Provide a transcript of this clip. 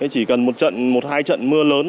chỉ cần một hai trận mưa lớn